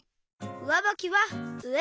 うわばきはうえ。